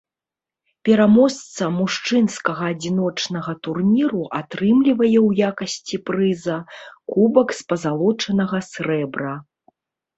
Пераможца мужчынскага адзіночнага турніру атрымлівае ў якасці прыза кубак з пазалочанага срэбра.